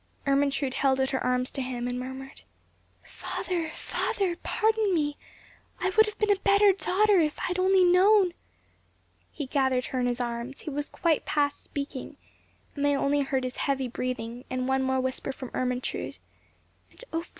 Ermentrude held out her arms to him, and murmured— "Father, father, pardon me; I would have been a better daughter if I had only known—" He gathered her in his arms; he was quite past speaking; and they only heard his heavy breathing, and one more whisper from Ermentrude—"And oh!